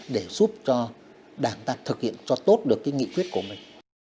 để giúp cho đảng ta thực hiện cho tốt được cái nghị quyết của mình